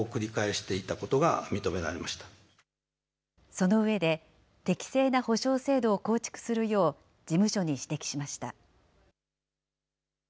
その上で、適正な補償制度を構築するよう事務所に指摘しました。